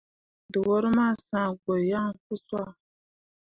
Dǝwor ma sãã gbo yaŋ pu sah.